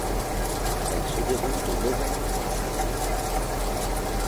Elle se déroule de novembre à avril.